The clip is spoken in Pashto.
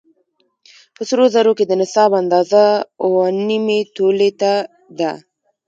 په سرو زرو کې د نصاب اندازه اووه نيمې تولې ده